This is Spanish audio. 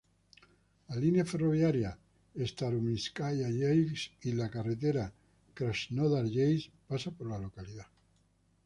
La línea ferroviaria Starominskaya-Yeisk y la carretera Krasnodar-Yeisk pasa por la localidad.